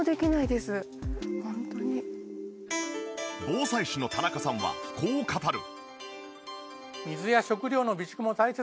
防災士の田中さんはこう語る。